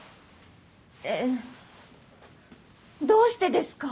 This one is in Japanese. えっどうしてですか？